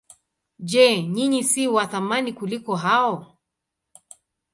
Je, ninyi si wa thamani kuliko hao?